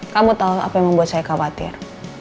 kamu tahu apa yang membuat saya khawatir